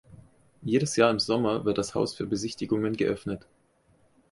Jedes Jahr im Sommer wird das Haus für Besichtigungen geöffnet.